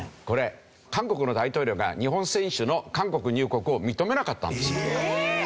これ韓国の大統領が日本選手の韓国入国を認めなかったんですよ。